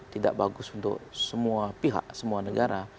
tidak bagus untuk semua pihak semua negara